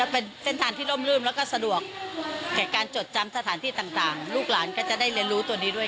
เป็นเส้นทางที่ร่มลื้มแล้วก็สะดวกแก่การจดจำสถานที่ต่างลูกหลานก็จะได้เรียนรู้ตัวนี้ด้วย